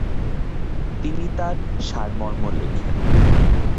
তিনি তার সারমর্ম লেখেন।